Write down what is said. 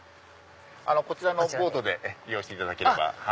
こちらのボートで利用していただければ。